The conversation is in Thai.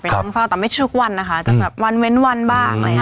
ไปนั่งฟังแต่ไม่ใช่ทุกวันนะคะจะแบบวันเว้นวันบ้างเลยค่ะ